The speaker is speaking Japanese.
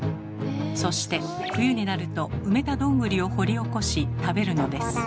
そして冬になると埋めたどんぐりを掘り起こし食べるのです。